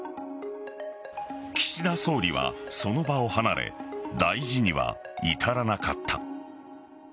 岸田総理は、その場を離れ大事には至らなかった。